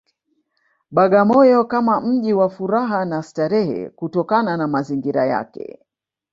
Bagamoyo kama mji wa furaha na starehe kutokana na mazingira yake